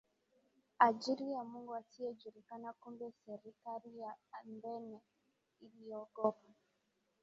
ajili ya Mungu asiyejulikana Kumbe serikali ya Athene iliogopa